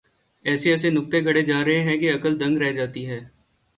ایسے ایسے نکتے گھڑے جا رہے ہیں کہ عقل دنگ رہ جاتی ہے۔